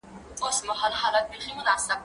ايا ته بازار ته ځې!.